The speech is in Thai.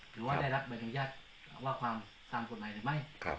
หรือว่าได้รับใบอนุญาตว่าความตามกฎหมายหรือไม่